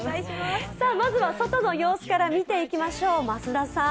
まずは外の様子から見ていきましょう、増田さん。